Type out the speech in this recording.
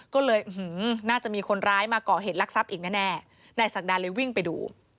ก็เลยน่าจะมีคนร้ายมาก่อเหตุลักษัพอีกแน่นายศักดาเลยวิ่งไปดู